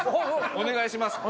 お願いします。